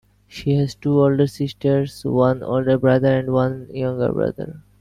She has two older sisters, one older brother and one younger brother.